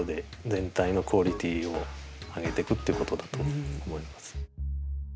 全体のクオリティを上げていくっていうことだと思います。